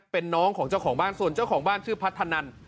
เป็นน้องของเจ้าของบ้านส่วนเจ้าของบ้านชื่อพัฒนัน